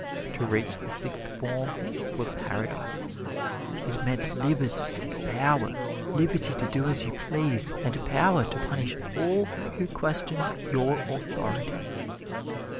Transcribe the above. To reach the Sixth Form were paradise it meant liberty and power liberty to do as you pleased, and power to punish all who questioned your authority.